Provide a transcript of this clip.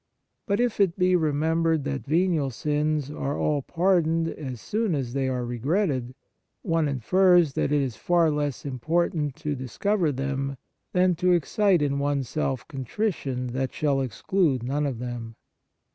But, if it be re membered that venial sins are all pardoned as soon as they are re gretted, one infers that it is far less important to discover them than to excite in oneself contrition that shall exclude none of them.